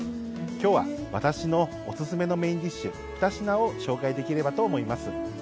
今日は、私のおすすめのメインディッシュ２品を紹介できればと思います。